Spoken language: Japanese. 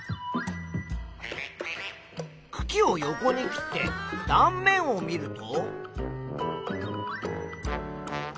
くきを横に切って断面を見ると。